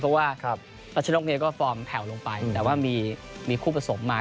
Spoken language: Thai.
เพราะว่ารัชนกก็ฟอร์มแผ่วลงไปแต่ว่ามีคู่ผสมมา